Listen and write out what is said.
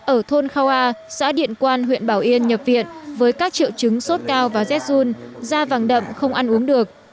ở thôn khao a xã điện quang huyện bảo yên nhập viện với các triệu chứng sốt cao và z zun da vàng đậm không ăn uống được